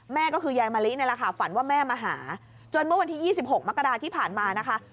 แม่ก็คือยายมะลินี่แหละค่ะฝันว่าแม่มาหาจนเมื่อวันที่๒๖มกราที่ผ่านมานะคะ